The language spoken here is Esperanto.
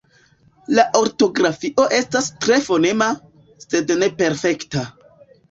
La ortografio estas tre fonema, sed ne perfekta.